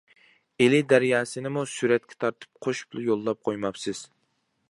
ئىلى دەرياسىنىمۇ سۈرەتكە تارتىپ قوشۇپلا يوللاپ قويماپسىز.